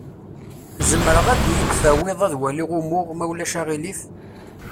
Zemreɣ ad yi-d-tawiḍ ad waliɣ umuɣ, ma ulac aɣilif?